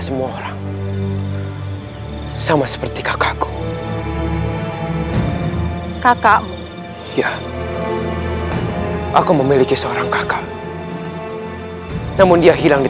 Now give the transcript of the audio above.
semua orang sama seperti kakakku kakakmu ya aku memiliki seorang kakak namun dia hilang di